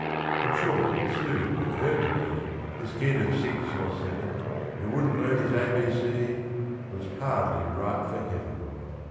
In short, it soon occurred to me This kid of six or seven, Who wouldn't learn his A B C, Was hardly ripe for heaven.